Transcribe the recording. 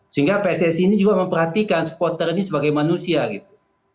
sehingga pssi ini juga memperhatikan supporter ini sebagai manusia gitu